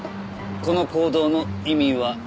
この行動の意味は？